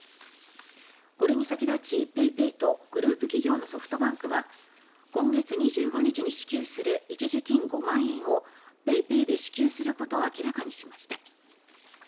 これに先立ちＰａｙＰａｙとグループ企業のソフトバンクは今月２５日に支給する一時金５万円をＰａｙＰａｙで支給することを明らかにしました。